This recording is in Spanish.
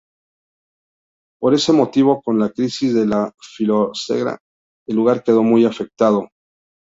Por ese motivo, con la crisis de la filoxera, el lugar quedó muy afectado.